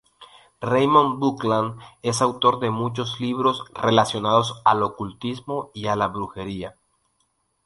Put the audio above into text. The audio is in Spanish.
Raymond Buckland es autor de muchos libros relacionados al ocultismo y a la brujería.